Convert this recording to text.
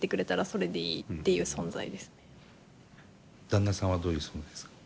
旦那さんはどういう存在ですか？